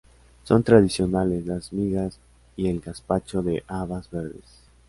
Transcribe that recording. Son tradicionales las migas y el gazpacho de habas verdes.